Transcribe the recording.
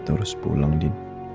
terus pulang din